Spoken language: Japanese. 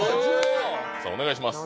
お願いします。